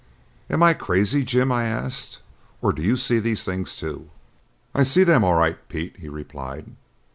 "Am I crazy, Jim," I asked, "or do you see these things too?" "I see them all right, Pete," he replied.